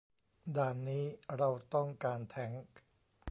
ด่านนี้เราต้องการแทงค์